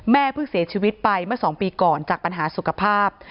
เพิ่งเสียชีวิตไปเมื่อ๒ปีก่อนจากปัญหาสุขภาพ